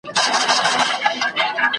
عُمر ټول انتظار وخوړ له ځوانیه تر پیریه .